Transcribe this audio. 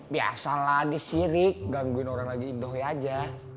biasalah disirik gangguin orang lagi indoi aja